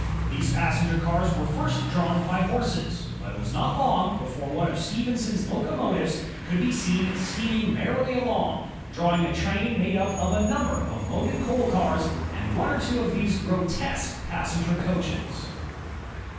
These passenger cars were first drawn by horses, but it was not long before one of Stephenson's locomotives could be seen steaming merrily along, drawing a train made up of a number of loaded coal cars and one or two of these grotesque pas senger coaches.